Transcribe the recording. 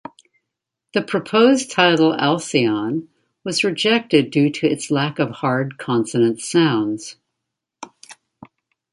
The proposed title "Alcion" was rejected due to its lack of hard consonant sounds.